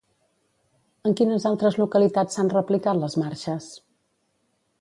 En quines altres localitats s'han replicat les marxes?